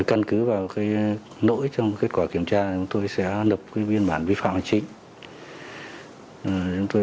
căn cứ vào nỗi trong kết quả kiểm tra tôi sẽ lập biên bản vi phạm chính